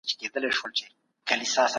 ایا د سترګو د رڼا لپاره د ګازرې خوړل ښه دي؟